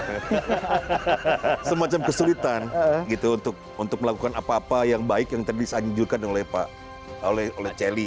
tentang kenapa terdapat semacam kesulitan untuk melakukan apa apa yang baik yang tadi disanjurkan oleh pak celi